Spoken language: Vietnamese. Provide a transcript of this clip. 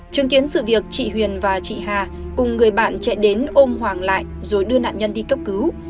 chứng kiến sự việc chị huyền và chị hà cùng người bạn chạy đến ôm hoàng lại rồi đưa nạn nhân đi cấp cứu